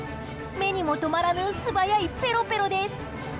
目にも留まらぬ素早いペロぺロです。